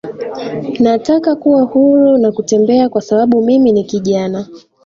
Nataka kuwa huru na kutembea kwa sababu mimi ni kijana